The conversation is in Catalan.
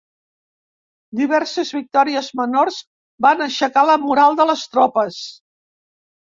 Diverses victòries menors van aixecar la moral de les tropes.